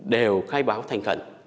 đều khai báo thành cận